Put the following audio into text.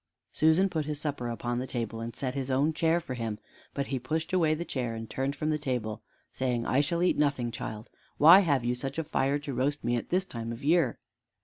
Susan put his supper upon the table, and set his own chair for him, but he pushed away the chair and turned from the table, saying, "I shall eat nothing, child. Why have you such a fire to roast me at this time of year?"